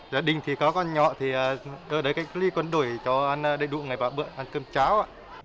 gia đình thì có con nhỏ thì ở đây cách ly quân đổi cho ăn đầy đủ ngày bảo bữa ăn cơm cháo